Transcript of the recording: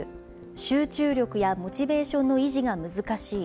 集中力やモチベーションの維持が難しい。